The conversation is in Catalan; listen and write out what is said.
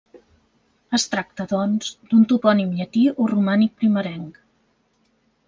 Es tracta, doncs, d'un topònim llatí o romànic primerenc.